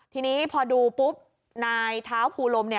ทีนี้พอดูปุ๊บนายเท้าภูลมเนี่ย